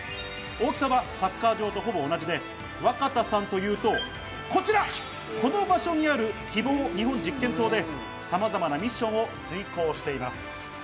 大きさはサッカー場とほぼ同じで、若田さんというと、こちら、この場所にある「きぼう」、日本実験棟でさまざまなミッションを遂行しています。